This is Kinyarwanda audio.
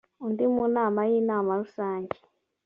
undi mu nama y inama rusange